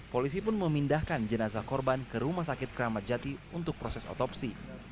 polisi pun memindahkan jenazah korban ke rumah sakit keramat jati untuk proses otopsi